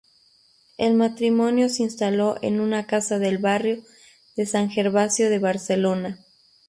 El matrimonio se instaló en una casa del barrio de San Gervasio de Barcelona.